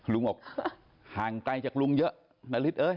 ลุงบอกห่างไกลจากลุงเยอะนาริสเอ้ย